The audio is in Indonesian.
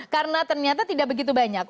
karena ternyata tidak begitu banyak